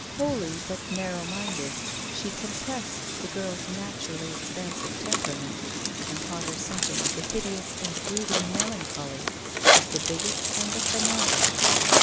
Holy but narrow minded, she compressed the girl's naturally ex pansive temperament, and taught her something of the hideous and brooding melancholy of the bigot and the fanatic.